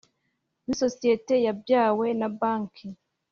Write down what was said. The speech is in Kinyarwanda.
W isosiyete yabyawe na banki